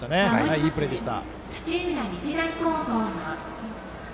いいプレーでした。